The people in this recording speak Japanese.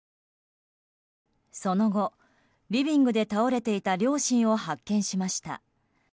その後、リビングで倒れていた両親を発見しました。